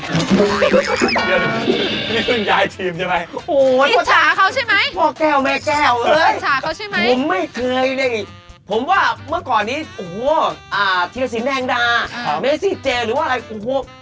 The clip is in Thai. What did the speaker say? นี่ขึ้นยายทีมใช่ไหมโอ้โหอิจฉาเขาใช่ไหมพ่อแก้วแม่แก้วเอ้ยอิจฉาเขาใช่ไหมผมไม่เคยเนี่ยผมว่าเมื่อก่อนนี้โอ้โหธีรสินแดงดาเมซี่เจหรือว่าอะไรโอ้โห